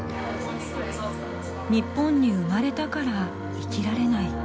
日本に生まれたから「生きられない」。